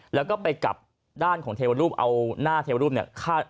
แล้วก็ไปกลับด้านของเทวรูปเอาหน้าเทวรูปเนี่ยคาด